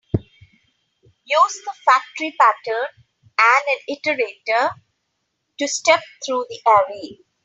Use the factory pattern and an iterator to step through the array.